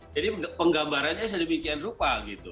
jadi penggambarannya sedemikian rupa gitu